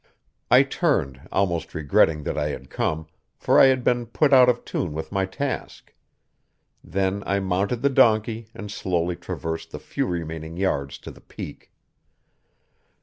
I turned, almost regretting that I had come, for I had been put out of tune with my task. Then I mounted the donkey and slowly traversed the few remaining yards to the Peak.